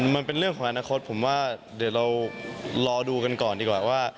มันเป็นเรื่องของอนาคตผมว่าเดี๋ยวเรารอดูกันก่อนดีกว่าว่า